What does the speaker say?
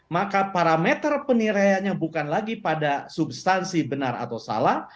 maka parameter penilaiannya bukan lagi pada substansi benar atau salah